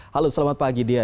halo selamat pagi dia